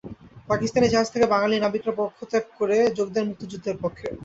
পাকিস্তানি জাহাজ থেকে বাঙালি নাবিকরা পক্ষত্যাগ করে যোগ দেন মুক্তিযুদ্ধের পক্ষে।